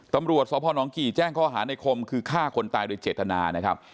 ตำรวจสพนกี่แจ้งข้อหาในคมคือฆ่าคนตายโดยเจตนานะครับ